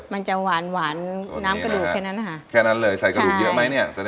มันจะหวานหวานน้ำกระดูกแค่นั้นนะคะแค่นั้นเลยใส่กระดูกเยอะไหมเนี่ย